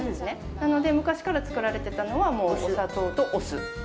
なので、昔から作られてたのはお砂糖とお酢。